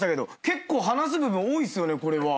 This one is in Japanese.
結構話す部分多いっすよねこれは。